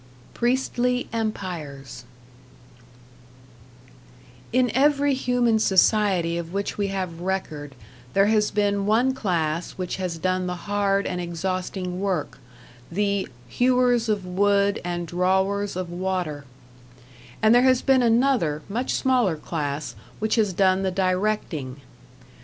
#Priestly Empires# In every human society of which we have record there has been one class which has done the hard and exhausting work, the "hewers of wood and drawers of water"; and there has been another, much smaller class which has done the directing.